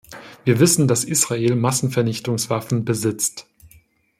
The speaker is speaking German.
Wir wissen, dass Israel Massenvernichtungswaffen besitzt.